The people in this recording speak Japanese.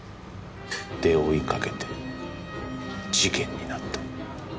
で追いかけて事件になった。